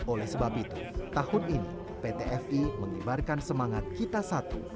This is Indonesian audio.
oleh sebab itu tahun ini pt fi mengibarkan semangat kita satu